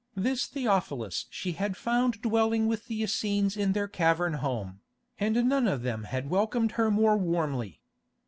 This Theophilus she had found dwelling with the Essenes in their cavern home, and none of them had welcomed her more warmly.